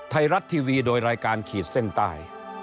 ไทยรัฐทีวีโดยรายการขีดเส้นใต้